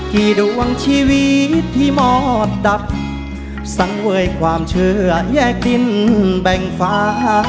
ดวงชีวิตที่หมอดับสังเวยความเชื่อแยกดินแบ่งฟ้า